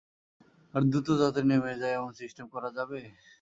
আর দ্রুত যাতে নেমে যায় এমন সিস্টেম করা যাবে?